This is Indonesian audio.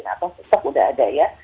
atau tetap sudah ada ya